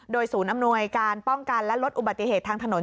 ศูนย์อำนวยการป้องกันและลดอุบัติเหตุทางถนน